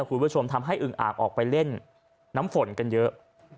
คุณผู้ชมทำให้อึงอ่างออกไปเล่นน้ำฝนกันเยอะ